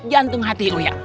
jantung hati iu ya